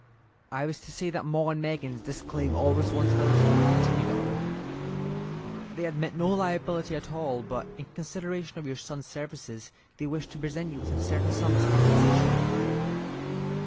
"I was to say that 'Maw and Meggins' disclaim all responsibility," continued the other. "They admit no liability at all, but in consideration of your son's services, they wish to present you with a certain sum as compensation."